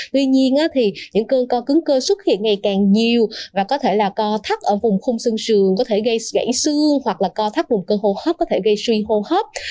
tuy nhiên những cơn co cứng cơ xuất hiện ngày càng nhiều và có thể là co thắt ở vùng khung sương sườn có thể gây gãy sương hoặc là co thắt vùng cơn hô hấp có thể gây suy hô hấp